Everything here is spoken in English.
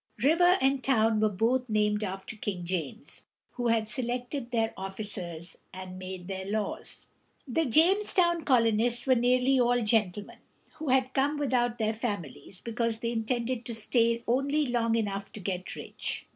River and town were both named after King James, who had selected their officers and made their laws. The James´town colonists were nearly all gentlemen, who had come without their families because they intended to stay only long enough to get rich.